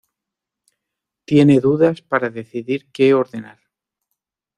Tiene dudas para decidir que ordenar.